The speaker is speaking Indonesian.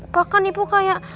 bahkan ibu kayak